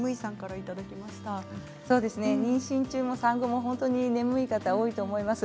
妊娠中も産後も眠い方多いと思います。